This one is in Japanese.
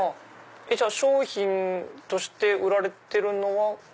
じゃあ商品として売られてるのは。